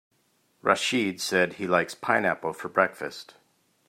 Rachid said he likes pineapple for breakfast.